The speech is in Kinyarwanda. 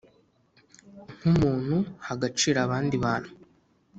nkumuntu ha agaciro abandi bantu.